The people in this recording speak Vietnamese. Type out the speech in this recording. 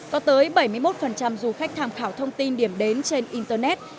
có tới bảy mươi một du khách tham khảo thông tin điểm đến trên internet